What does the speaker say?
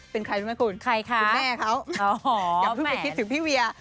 เป็นใครรู้ไหมคุณคุณแม่เขาอย่าเพิ่งไปคิดถึงพี่เวีย